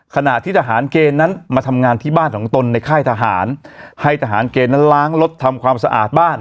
ขณะที่ทหารเกณฑ์นั้นมาทำงานที่บ้านของตนในค่ายทหารให้ทหารเกณฑ์นั้นล้างรถทำความสะอาดบ้าน